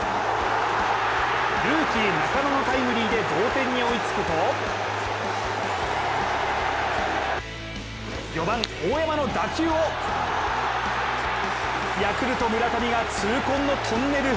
ルーキー・中野のタイムリーで同点に追いつくと４番・大山の打球をヤクルト・村上が痛恨のトンネル。